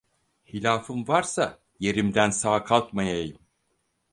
Hilafım varsa, yerimden sağ kalkmayayım…